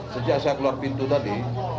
sejak saya keluar pintu tadi